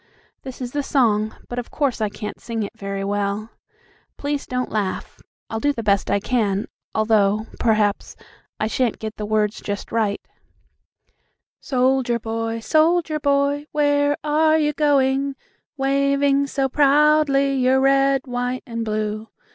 This is the song, but of course I can't sing it very well. Please don't laugh. I'll do the best I can, although, perhaps, I shan't get the words just right: "'Soldier boy, soldier boy, where are you going, Waving so proudly your red, white and blue?'